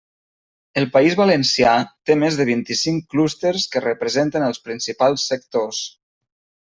El País Valencià té més de vint-i-cinc clústers que representen els principals sectors.